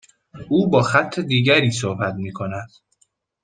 او با خط دیگری صحبت میکند.